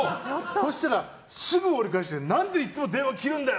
そしたら、すぐ折り返しで何でいつも電話切るんだよ！